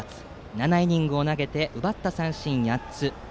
７イニングを投げて奪った三振８つ。